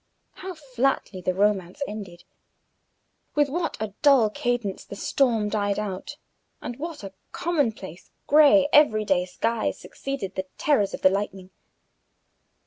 How flatly the romance ended! With what a dull cadence the storm died out, and what a commonplace, gray, every day sky succeeded the terrors of the lightning!